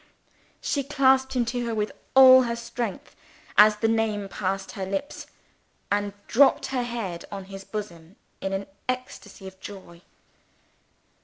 She clasped him to her with all her strength as the name passed her lips, and dropped her head on his bosom in an ecstasy of joy.